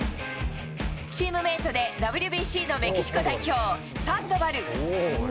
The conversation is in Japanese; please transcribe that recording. チームメートでＷＢＣのメキシコ代表、サンドバル。